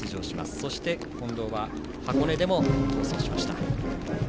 そして、近藤は箱根でも好走しました。